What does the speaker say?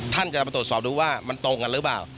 ท่านจะมาตรวจสอบดูว่ามันตรงกันหรือเปล่า